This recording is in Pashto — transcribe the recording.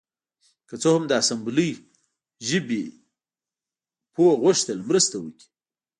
که څه هم د اسامبلۍ ژبې پوه غوښتل مرسته وکړي